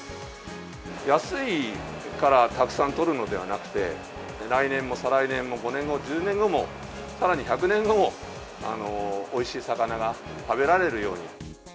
安いからたくさん取るのではなくて、来年も再来年も５年後、１０年後も、さらに１００年後も、おいしい魚が食べられるように。